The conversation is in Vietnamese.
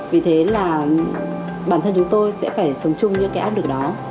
vì thế là bản thân chúng tôi sẽ phải sống chung những cái áp lực đó